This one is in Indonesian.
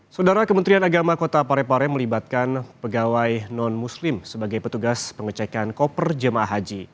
saudara kementerian agama kota parepare melibatkan pegawai non muslim sebagai petugas pengecekan koper jemaah haji